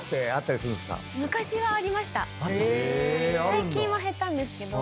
最近は減ったんですけど。